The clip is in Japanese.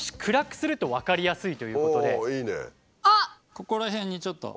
ここら辺にちょっと。